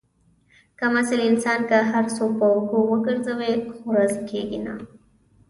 کم اصل انسان که هر څو په اوږو وگرځوې، خو راضي کېږي نه.